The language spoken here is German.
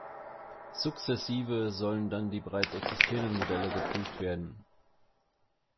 Sukzessive sollen dann die bereits existierenden Modelle geprüft werden.